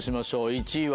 １位は。